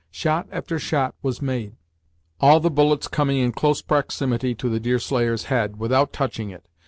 Shot after shot was made; all the bullets coming in close proximity to the Deerslayer's head, without touching it.